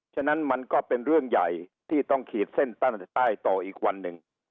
ฉะนั้นมันก็เป็นเรื่องใหญ่ที่ต้องขีดเส้นใต้ต่ออีกวันหนึ่ง